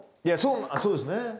そうですね。